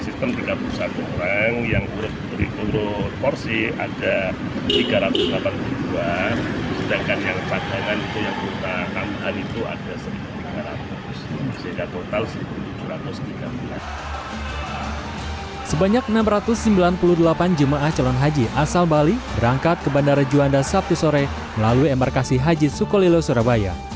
sebanyak enam ratus sembilan puluh delapan jemaah calon haji asal bali berangkat ke bandara juanda sabtu sore melalui embarkasi haji sukolilo surabaya